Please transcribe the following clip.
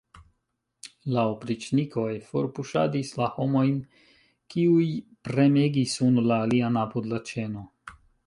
La opriĉnikoj forpuŝadis la homojn, kiuj premegis unu la alian apud la ĉeno.